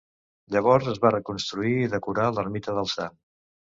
Llavors es va reconstruir i decorar l'ermita del sant.